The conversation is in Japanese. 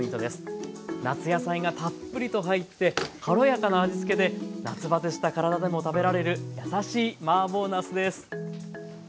夏野菜がたっぷりと入って軽やかな味付けで夏バテした体でも食べられるやさしいマーボーなすです。